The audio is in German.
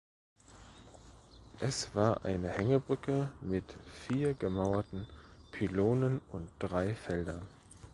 Es war eine Hängebrücke mit vier gemauerten Pylonen und drei Feldern.